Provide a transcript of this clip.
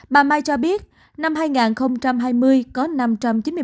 bà mai cho biết năm hai nghìn hai mươi có năm trăm chín mươi bảy nhân viên y tế